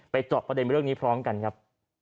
เจาะประเด็นเรื่องนี้พร้อมกันครับ